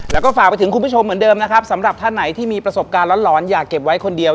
แล้วก็ฝากไปถึงคุณผู้ชมเหมือนเดิมนะครับสำหรับท่านไหนที่มีประสบการณ์หลอนอยากเก็บไว้คนเดียว